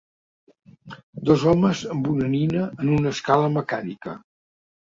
Dos homes amb una nina en una escala mecànica.